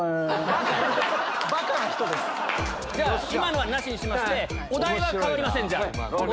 今のはなしにしましてお題は変わりません。